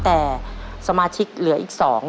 แต่สมาชิกเหลืออีก๒